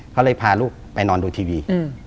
เขาเลยพาลูกไปนอนดูทีวี